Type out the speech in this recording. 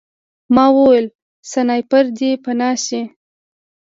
ما وویل سنایپر دی پناه شئ